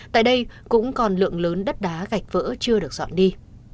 tại đây cũng còn lượng lớn đất đá gạch vỡ chưa được dọn đi